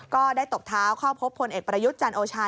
ตบเท้าเข้าพบพลเอกประยุทธ์จันโอชา